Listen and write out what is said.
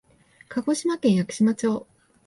鹿児島県屋久島町